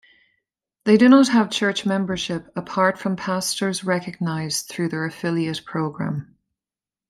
They do not have church membership apart from pastors recognized through their affiliate program.